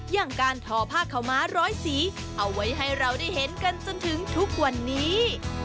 อย่างการทอผ้าขาวม้าร้อยสีเอาไว้ให้เราได้เห็นกันจนถึงทุกวันนี้